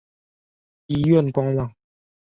医院官网